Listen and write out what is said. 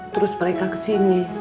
terus mereka ke sini